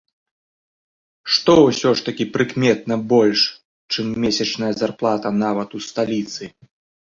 Што ўсё ж такі прыкметна больш, чым месячная зарплата нават у сталіцы.